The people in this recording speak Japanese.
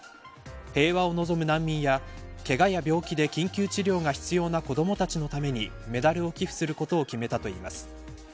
平和を望む難民やけがや病気で緊急治療が必要な子どもたちのためにメダルを寄付することを決めたといいます。